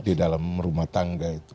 di dalam rumah tangga itu